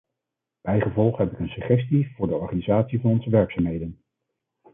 Bijgevolg heb ik een suggestie voor de organisatie van onze werkzaamheden.